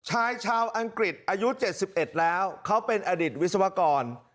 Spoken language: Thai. ชายชาวอังกฤษอายุ๗๑แล้วเขาเป็นอดิตวิศวกร